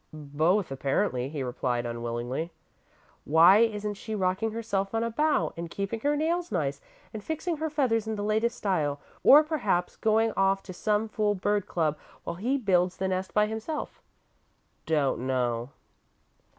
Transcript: "Both, apparently," he replied, unwillingly. "Why isn't she rocking herself on a bough, and keeping her nails nice, and fixing her feathers in the latest style, or perhaps going off to some fool bird club while he builds the nest by himself?" "Don't know."